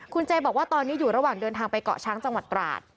คุณเจบอกว่าตอนนี้อยู่ระหว่างเดินทางไปเกาะช้างจังหวัดตราด